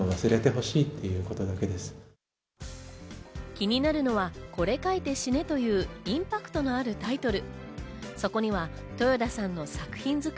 気になるのは「これ描いて死ね」というインパクトのあるタイトル。